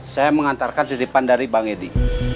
saya mengantarkan titipan dari bang edi